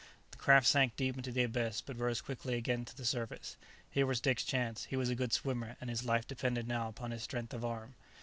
The craft sank deep into the abyss, but rose quickly again to the surface. Here was Dick's chance, he was a good swimmer, and his life depended now upon his strength of arm.